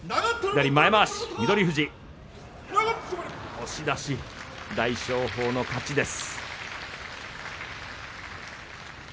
押し出し、大翔鵬の勝ちです。